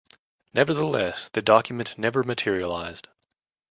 Nevertheless, the document never materialized.